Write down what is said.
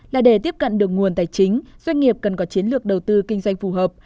là để tiếp cận được nguồn tài chính doanh nghiệp cần có chiến lược đầu tư kinh doanh phù hợp